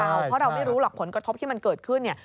เพราะเราไม่รู้หรอกผลกระทบที่มันเกิดขึ้นเนี่ย